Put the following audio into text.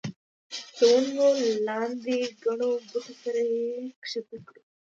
د ونو لاندې ګڼو بوټو سره یې ښکته کړو.